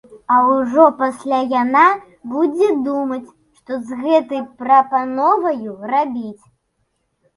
А ўжо пасля яна будзе думаць, што з гэтай прапановаю рабіць.